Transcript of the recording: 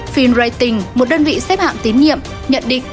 finrating một đơn vị xếp hạm tín nhiệm nhận định